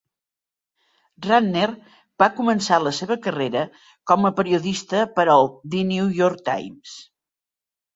Rattner va començar la seva carrera com a periodista per al The New York Times.